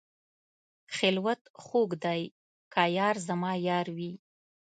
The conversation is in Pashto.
خلوت خوږ دی که یار زما یار وي.